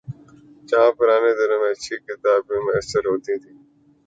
جہاں پرانے دنوں میں اچھی کتابیں میسر ہوتی تھیں۔